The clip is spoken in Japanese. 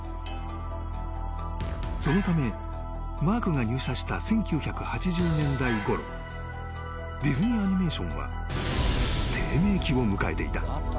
［そのためマークが入社した１９８０年代ごろディズニー・アニメーションは低迷期を迎えていた］